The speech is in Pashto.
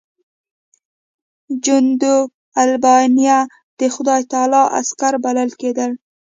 جنودالربانیه د خدای تعالی عسکر بلل کېدل.